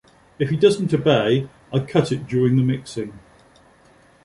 If he doesn't obey, I cut it during the mixing.